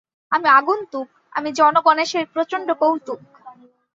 আমি আগন্তুক, আমি জনগণেশের প্রচণ্ড কৌতুক।